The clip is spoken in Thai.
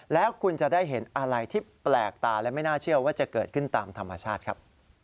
แล้วคุณจะได้เห็นอะไรที่แปลกตาและไม่น่าเชื่อว่าจะเกิดขึ้นตามธรรมชาติครับ